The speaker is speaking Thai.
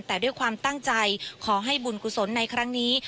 แต่ด้วยความตั้งใจขอให้บุญกุศลในครั้งนี้